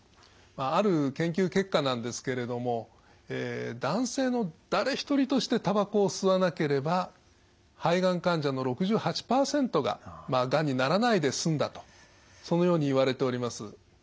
ある研究結果なんですけれども男性の誰一人としてたばこを吸わなければ肺がん患者の６８％ががんにならないで済んだとそのようにいわれております。